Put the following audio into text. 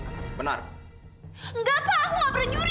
nggak pak aku nggak pernah nyuri nggak mungkin